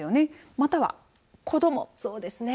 または、子どもそうですね。